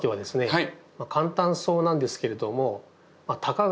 はい。